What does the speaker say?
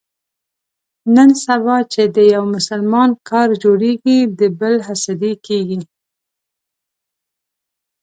نن سبا چې د یو مسلمان کار جوړېږي، د بل حسدي کېږي.